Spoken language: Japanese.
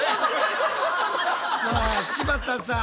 さあ柴田さん。